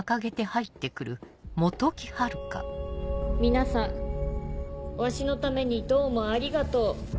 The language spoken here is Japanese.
「皆さんわしのためにどうもありがとう。